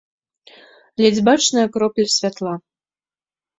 Ледзь бачная кропля святла.